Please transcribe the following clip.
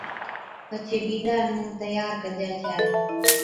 پڇي بِينڏا تيار ڪَجي ڇَي